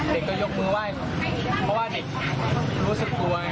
เด็กก็ยกมือไหว้เพราะว่าเด็กรู้สึกกลัวไง